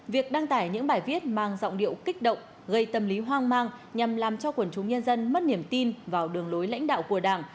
việc đăng tải những bài viết mang giọng điệu kích động gây tâm lý hoang mang nhằm làm cho quần chúng nhân dân mất niềm tin vào đường lối lãnh đạo của đảng